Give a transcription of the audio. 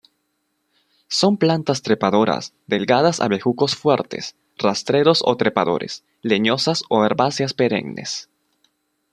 Son plantas trepadoras delgadas a bejucos fuertes, rastreros o trepadores, leñosas o herbáceas perennes.